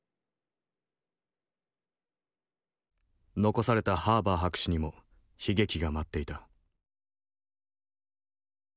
残されたハーバー博士にも悲劇が待っていた。